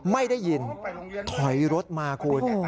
ไม่ได้ยินถอยรถมาคุณ